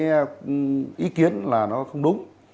các ý kiến là nó không đúng